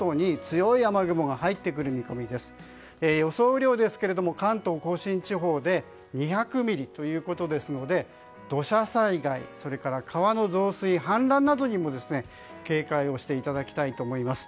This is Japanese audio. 雨量ですが関東・甲信地方で２００ミリということですので土砂災害や川の増水・氾濫などにも警戒をしていただきたいと思います。